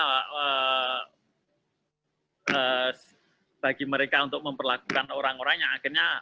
untuk mereka untuk memperlakukan orang orang yang akhirnya